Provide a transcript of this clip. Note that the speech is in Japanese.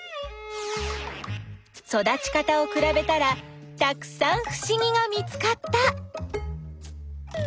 育ち方をくらべたらたくさんふしぎが見つかった！